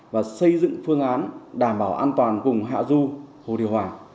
và xây dựng phương án đảm bảo an toàn vùng hạ du hồ điều hòa